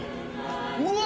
うわ！